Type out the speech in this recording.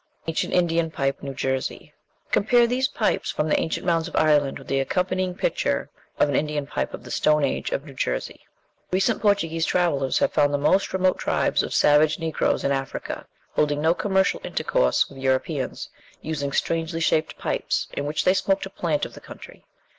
ANCIENT INDIAN PIPE, NEW JERSEY Compare these pipes from the ancient mounds of Ireland with the accompanying picture of an Indian pipe of the Stone Age of New Jersey. ("Smithsonian Rep.," 1875, p. 342.) Recent Portuguese travellers have found the most remote tribes of savage negroes in Africa, holding no commercial intercourse with Europeans, using strangely shaped pipes, in which they smoked a plant of the country.